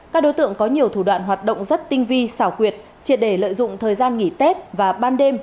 các đối tượng có nhiều thủ đoạn hoạt động rất tinh vi xảo quyệt triệt để lợi dụng thời gian nghỉ tết và ban đêm